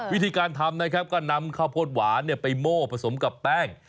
วิธีการทำนะครับก็นำข้าวโพดหวานไปโม่ผสมกับแป้ง